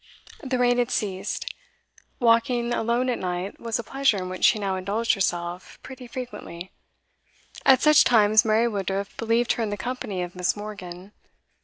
The rain had ceased. Walking alone at night was a pleasure in which she now indulged herself pretty frequently; at such times Mary Woodruff believed her in the company of Miss. Morgan.